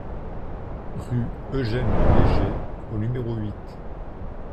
Rue Eugène Léger au numéro huit